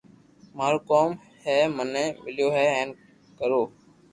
مارو ڪوم ھي مني مليو ھي ھين ڪرو